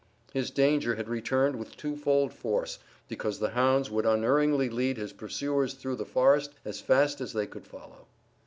His danger had returned with twofold force, because the hounds would unerringly lead his pursuers through the forest as fast as they could follow.